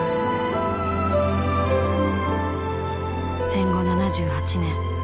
戦後７８年。